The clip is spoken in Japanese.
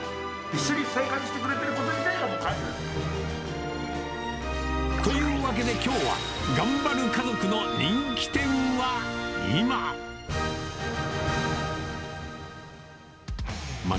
一緒に生活していること自体というわけできょうは、頑張る家族の人気店はいま。